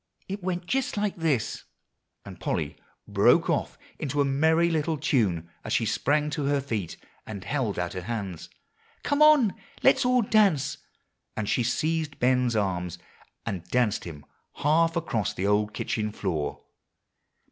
it went just like this," and Polly broke off into a merry little tune as she sprang to her feet and held out her hands, "Come on, let us all dance!" and she seized Ben's arms, and danced him half across the old kitchen floor.